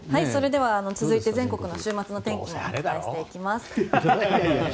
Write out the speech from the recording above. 続いては週末の全国の週末の天気をお伝えしていきます。